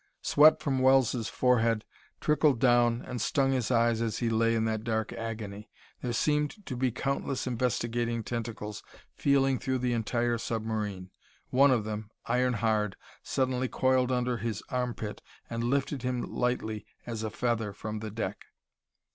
Sweat from Wells' forehead trickled down and stung his eyes as he lay in that dark agony. There seemed to be countless investigating tentacles feeling through the entire submarine. One of them, iron hard, suddenly coiled under his armpit and lifted him lightly as a feather from the deck.